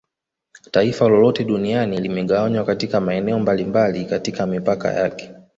Taifa lolote duniani limegawanywa katika maeneo mbalimbali katika mipaka yake